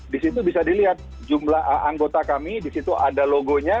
di situ bisa dilihat jumlah anggota kami di situ ada logonya